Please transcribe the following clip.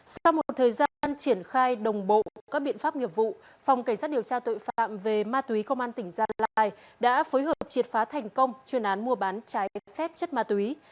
sau một thời gian triển khai đồng bộ các biện pháp nghiệp vụ phòng cảnh sát điều tra tội phạm về ma túy công an tỉnh gia lai đã phối hợp triệt phá thành công chuyên án mua bán trái phép chất ma túy